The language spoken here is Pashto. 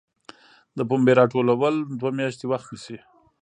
د پنبې راټولول دوه میاشتې وخت نیسي.